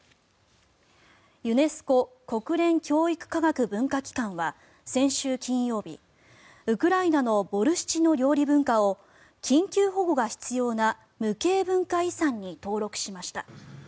ユネスコ・国連教育科学文化機関は先週金曜日、ウクライナのボルシチの料理文化を緊急保護が必要な無形文化遺産に登録しました。